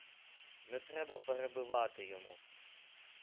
Не треба перебивати йому.